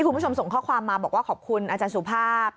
คุณผู้ชมส่งข้อความมาบอกว่าขอบคุณอาจารย์สุภาพ